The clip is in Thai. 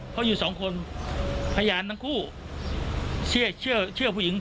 เพราะอยู่สองคนพยานทั้งคู่เชื่อเชื่อเชื่อผู้หญิง